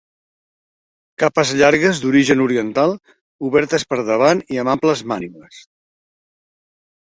Capes llargues d'origen oriental, obertes per davant i amb amples mànigues.